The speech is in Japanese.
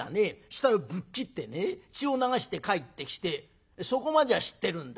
額をぶっ切ってね血を流して帰ってきてそこまでは知ってるんだがね